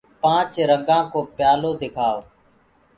پآنچ رنگآ ڪو پيآ لو دکآئو